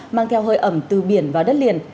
mang theo hơi ẩm từ biển vào đất liền